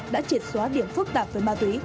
đã triệt xóa điểm phức tạp với ma túy